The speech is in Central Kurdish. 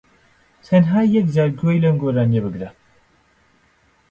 تەنھا یەکجار گوێ لەم گۆرانیە بگرە